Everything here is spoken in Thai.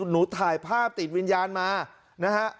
หนูถ่ายภาพติดวิญญาณมานะฮะ